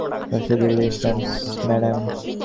Rashedul E Shams madam, আদর্শগত মিল নেই কথাটি কি ঠিক?